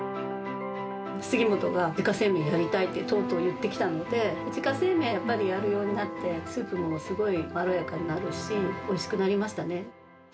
杉本が自家製麺やりたいって、とうとう言ってきたので、自家製麺をやっぱりやるようになって、スープもすごいまろやかになるし、おいしくなりましたね。